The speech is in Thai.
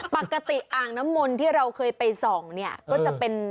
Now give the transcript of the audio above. อ่างน้ำมนต์ที่เราเคยไปส่องเนี่ยก็จะเป็น